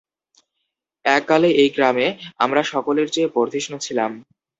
এককালে এই গ্রামে আমরা সকলের চেয়ে বর্ধিষ্ণু ছিলাম।